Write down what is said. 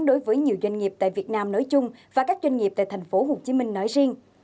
đối với nhiều doanh nghiệp tại việt nam nói chung và các doanh nghiệp tại tp hcm nói riêng